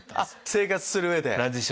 生活する上で。